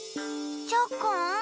チョコン。